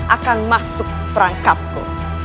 akan masuk perangkapku